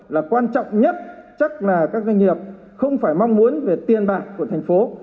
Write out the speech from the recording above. là quan trọng nhất chắc là các doanh nghiệp không phải mong muốn về tiền bạc của thành phố